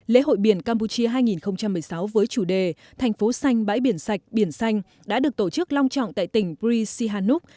lễ hội biển campuchia hai nghìn một mươi sáu với chủ đề thành phố xanh bãi biển sạch biển xanh đã được tổ chức long trọng tại tỉnh bri sihanuk